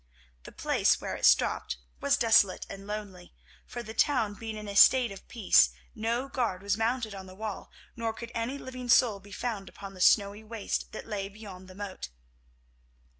The place where it stopped was desolate and lonely, for the town being in a state of peace no guard was mounted on the wall, nor could any living soul be found upon the snowy waste that lay beyond the moat.